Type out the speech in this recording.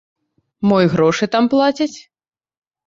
Мо і грошы там плацяць?